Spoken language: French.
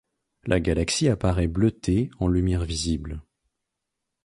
La galaxie apparaît bleutée en lumière visible.